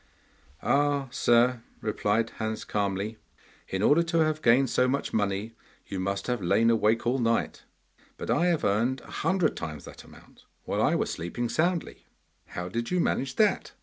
'Ah, sir,' replied Hans calmly, 'in order to have gained so much money you must have lain awake all night, but I have earned a hundred times that amount while I was sleeping soundly.' 'How did you manage that?